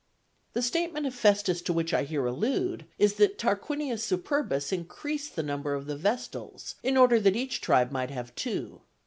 The statement of Festus to which I here allude is that Tarquinius Superbus increased the number of the Vestals in order that each tribe might have two.